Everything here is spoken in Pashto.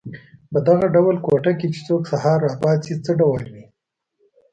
په دغه ډول کوټه کې چې څوک سهار را پاڅي څه ډول وي.